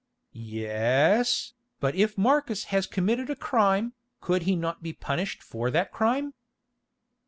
"Ye—es, but if Marcus has committed a crime, could he not be punished for that crime?"